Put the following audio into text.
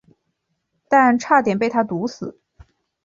但差点被他毒死。